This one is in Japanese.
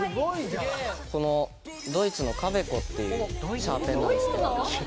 ドイツの「カヴェコ」っていうシャーペンなんですけど。